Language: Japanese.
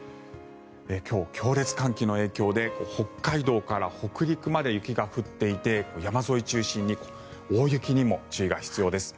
今日、強烈寒気の影響で北海道から北陸まで雪が降っていて、山沿い中心に大雪にも注意が必要です。